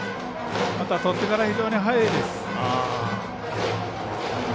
とってから非常に速いです。